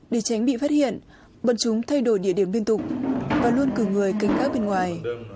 để tránh bị phát hiện bọn chúng thay đổi địa điểm viên tục và luôn cử người kênh các bên ngoài